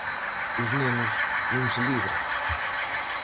Os nenos non se libran.